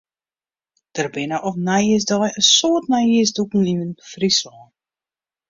Der binne op nijjiersdei in soad nijjiersdûken yn Fryslân.